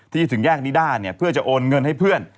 ถึงแยกนิด้าเนี่ยเพื่อจะโอนเงินให้เพื่อน